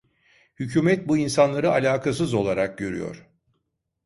Hükümet bu insanları alâkasız olarak görüyor.